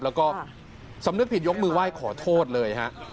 แล้วก็สำนึกผิดยกมือไหว้ขอโทษเลยฮะ